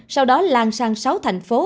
sau đó lan sang sáu thành phố